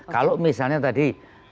kalau misalnya tadi